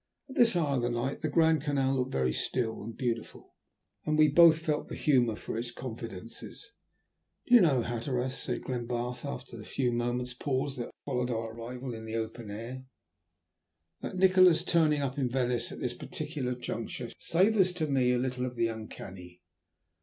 At this hour of the night the Grand Canal looked very still and beautiful, and we both felt in the humour for confidences. "Do you know, Hatteras," said Glenbarth, after the few moments' pause that followed our arrival in the open air, "that Nikola's turning up in Venice at this particular juncture savours to me a little of the uncanny.